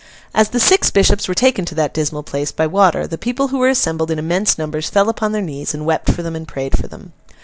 As the six bishops were taken to that dismal place, by water, the people who were assembled in immense numbers fell upon their knees, and wept for them, and prayed for them.